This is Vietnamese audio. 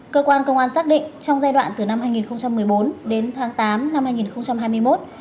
cơ quan công an xác định trong giai đoạn từ năm hai nghìn một mươi bốn đến tháng tám năm hai nghìn hai mươi một